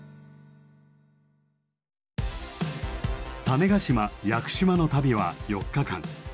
種子島屋久島の旅は４日間。